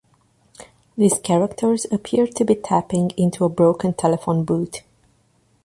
These characters appeared to be tapping into a broken telephone booth.